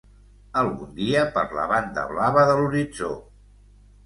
Algun dia per la banda blava de l'horitzó...